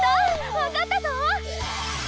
わかったぞ！